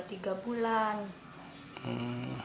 tidak boleh ngeluh